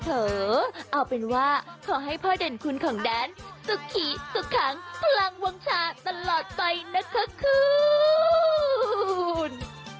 เออเอาเป็นว่าขอให้พ่อเด่นคุณของแดนสุขิสุขขังพลังวงชาตลอดไปนะคะคุณ